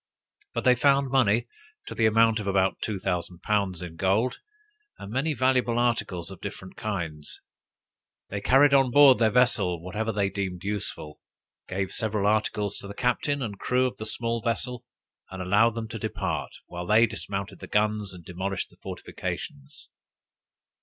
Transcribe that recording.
But they found money to the amount of about two thousand pounds in gold, and many valuable articles of different kinds. They carried on board their vessel whatever they deemed useful, gave several articles to the captain and crew of the small vessel, and allowed them to depart, while they dismounted the guns, and demolished the fortifications.